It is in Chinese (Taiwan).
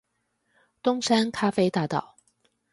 東山咖啡大道